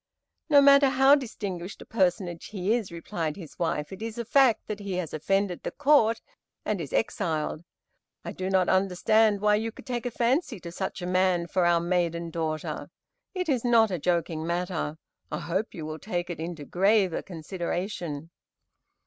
"No matter how distinguished a personage he is," replied the wife, "it is a fact that he has offended the Court and is exiled. I do not understand why you could take a fancy to such a man for our maiden daughter. It is not a joking matter. I hope you will take it into graver consideration."